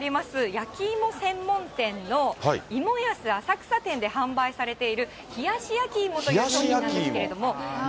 焼き芋専門店の芋やす浅草店で販売されている、冷やし焼き芋という商品なんですけれども。